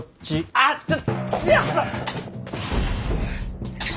あっちょ。